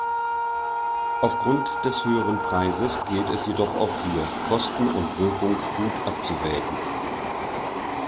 Aufgrund des höheren Preises gilt es jedoch auch hier, Kosten und Wirkung gut abzuwägen.